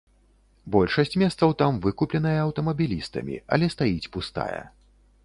Большасць месцаў там выкупленая аўтамабілістамі, але стаіць пустая.